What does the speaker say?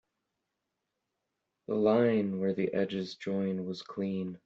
The line where the edges join was clean.